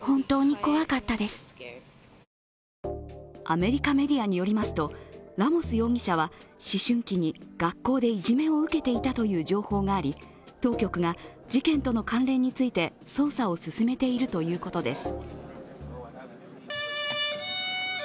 アメリカメディアによりますとラモス容疑者は思春期に学校でいじめを受けていたという情報があり、当局が事件との関連について捜査を進めているということです。